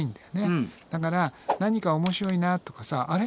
だから何か面白いなとかさあれ？